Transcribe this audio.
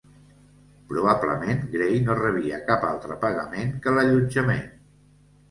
Probablement Gray no rebia cap altre pagament que l'allotjament.